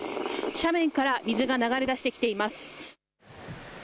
斜面から水が流れ出してきています。